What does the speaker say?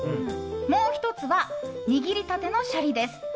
もう１つは握りたてのシャリです。